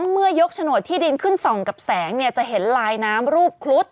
เมื่อยกโฉนดที่ดินขึ้นส่องกับแสงจะเห็นลายน้ำรูปครุฑ